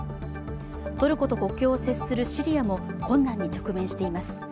トルコと国境を接するシリアも困難に直面しています。